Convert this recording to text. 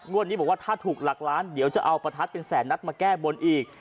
วันนี้บอกว่าถ้าถูกหลักล้านเดี๋ยวจะเอาประทัดเป็นแสนนัดมาแก้บนอีก